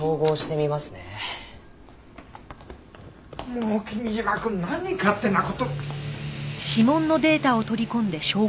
もう君嶋くん何勝手な事。